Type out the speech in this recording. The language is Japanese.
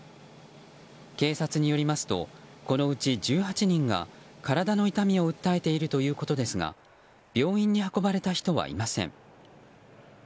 警察によりますとこのうち１８人が体の痛みを訴えているということですが病院に運ばれた人はいません。